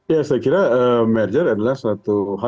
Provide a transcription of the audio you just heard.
ya saya kira merger adalah salah satu hal